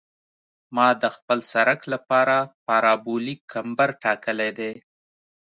ما د خپل سرک لپاره پارابولیک کمبر ټاکلی دی